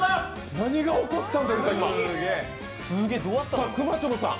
何が起こったんですか？